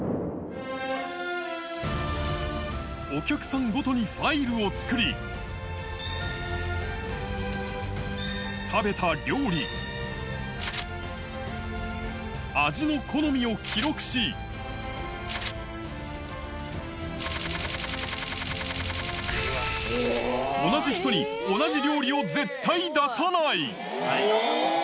お客さんごとにファイルを作り、食べた料理、味の好みを記録し、同じ人に同じ料理を絶対出さない。